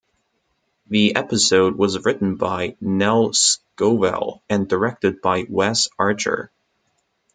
The episode was written by Nell Scovell and directed by Wes Archer.